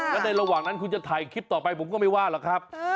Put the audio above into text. แล้วในระหว่างนั้นคุณจะถ่ายคลิปต่อไปผมก็ไม่ว่าหรอกครับ